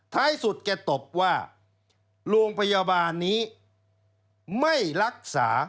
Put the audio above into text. ท้ายสุดแกตบว่าโรงพยาบาลนี้ไม่รักษา